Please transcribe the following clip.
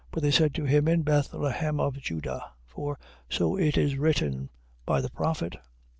But they said to him: In Bethlehem of Juda. For so it is written by the prophet: 2:6.